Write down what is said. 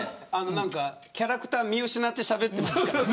キャラクター見失ってしゃべってますから。